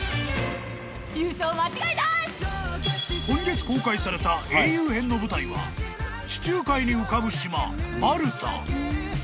［今月公開された『英雄編』の舞台は地中海に浮かぶ島マルタ］